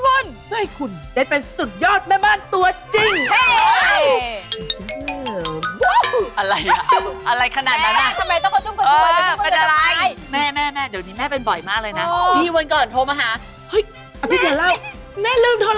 เพื่อให้คุณได้เป็นสุดยอดแม่บ้านตัวจริง